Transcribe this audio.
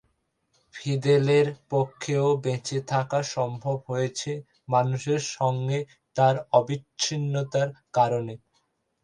ফিদেলের পক্ষেও বেঁচে থাকা সম্ভব হয়েছে মানুষের সঙ্গে তাঁর অবিচ্ছিন্নতার কারণে।